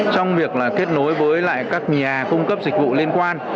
trong việc kết nối với các nhà cung cấp dịch vụ liên quan